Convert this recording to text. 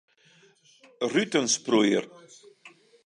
Alles sit der noch yn.